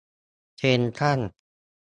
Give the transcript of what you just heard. เซ็นทรัล